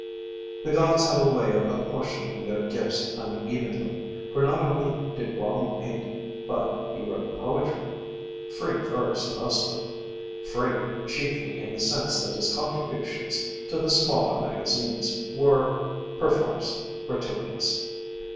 The gods have a way of apportioning their gifts unevenly, for not only did Wallie paint but he wrote poetry free verse mostly; free chiefly in the sense that his contributions to the smaller magazines were, perforce, gratuitous.